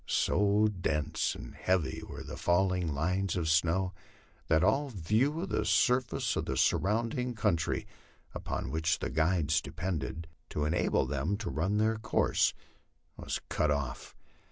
So dense and heavy were the falling lines of snow, that all view of the surface of the surrounding coun try, upon which the guides depended to enable them to run their course, was cut off.